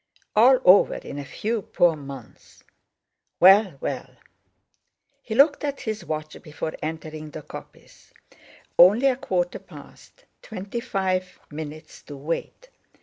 All over in a few poor months! Well, well! He looked at his watch before entering the coppice—only a quarter past, twenty five minutes to wait!